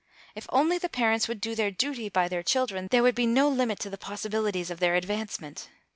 If only the parents would do their duty by their children, there would be no limit to the possibilities of their advancement.